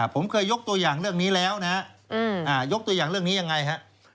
ผมเคยยกตัวอย่างเรื่องนี้แล้วนะยกตัวอย่างเรื่องนี้ยังไงฮะ